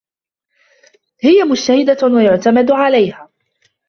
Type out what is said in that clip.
هىَ مجتهدة ويُعتمد عليها.